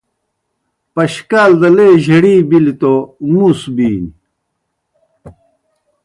پشکال دہ لے جھڑی بِلیْ توْ مُوس بِینیْ۔